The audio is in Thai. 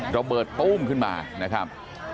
ระเบิดตู้มขึ้นมานะครับ